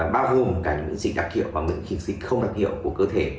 bao gồm cả những dịch đặc hiệu và những dịch không đặc hiệu của cơ thể